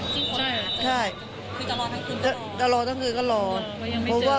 พูดสิทธิ์ข่าวธรรมดาทีวีรายงานสดจากโรงพยาบาลพระนครศรีอยุธยาครับ